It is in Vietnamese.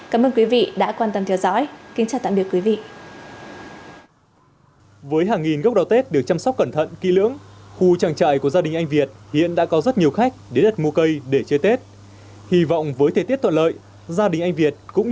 cảm ơn quý vị đã quan tâm theo dõi kính chào tạm biệt quý vị